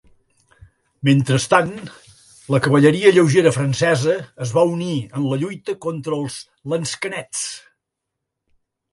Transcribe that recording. Mentrestant, la cavalleria lleugera francesa es va unir en la lluita contra els lansquenets.